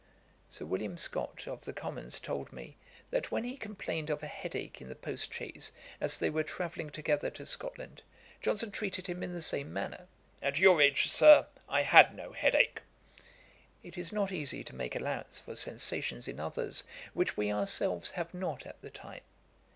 Sir William Scott, of the Commons, told me, that when he complained of a headach in the post chaise, as they were travelling together to Scotland, Johnson treated him in the same manner: 'At your age, Sir, I had no head ach.' It is not easy to make allowance for sensations in others, which we ourselves have not at the time.